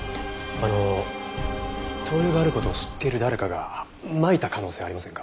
あの灯油がある事を知ってる誰かがまいた可能性ありませんか？